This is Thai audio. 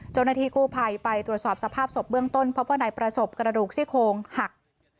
โจรนาทีคู่ภัยไปตรวจสอบสภาพศพเบื้องต้นเพราะว่านายประศพกระดูกซี่โคงหัก